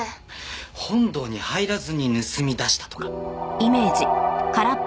本堂に入らずに盗み出したとか？